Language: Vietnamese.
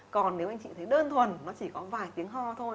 còn nếu anh chị thấy đơn thuần nó chỉ có vài tiếng ho thôi